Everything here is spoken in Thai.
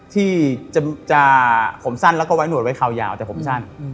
ที่จะผมสั้นแล้วก็ไว้หนวดไว้คาวยาวแต่ผมสั้น